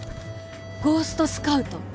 『ゴーストスカウト』